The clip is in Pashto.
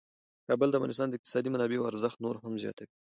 کابل د افغانستان د اقتصادي منابعو ارزښت نور هم زیاتوي.